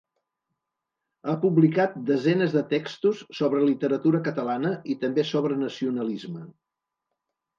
Ha publicat desenes de textos sobre literatura catalana i també sobre nacionalisme.